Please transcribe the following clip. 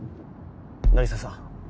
凪沙さん